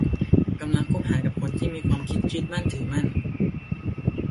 กำลังคบหากับคนที่มีความคิดยึดมั่นถือมั่น